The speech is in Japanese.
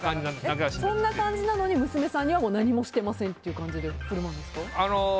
そんな感じなのに娘さんには何もしてませんって感じで振る舞うんですか？